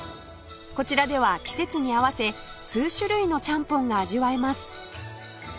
こちらでは季節に合わせ数種類のちゃんぽんが味わえます